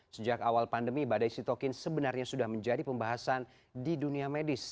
sejak awal pandemi badai sitokin sebenarnya sudah menjadi pembahasan di dunia medis